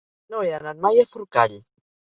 No he anat mai a Forcall.